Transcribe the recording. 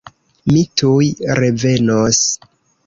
Mi tuj revenos.